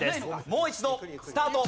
もう一度スタート。